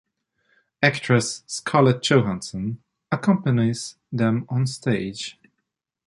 Actress Scarlett Johansson accompanies them on stage.